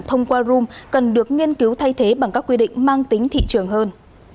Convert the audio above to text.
thông qua room cần được nghiên cứu thay thế bằng các quy định mang tính thị trường hơn